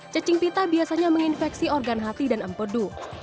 cacing pita biasanya menginfeksi organ hati dan empedu